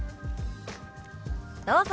どうぞ。